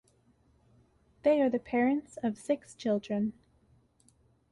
They are the parents of six children.